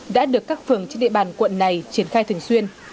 đã được các phường trên địa bàn quận này triển khai thường xuyên